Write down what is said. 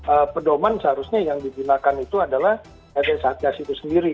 nah pedoman seharusnya yang digunakan itu adalah rt satgas itu sendiri